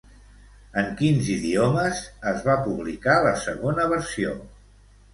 En quins idiomes es va publicar la segona versió?